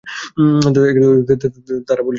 তারা বলেছে জিয়াউর রহমান স্বাধীনতার ঘোষণা দিয়েছিলেন।